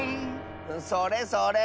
それそれ。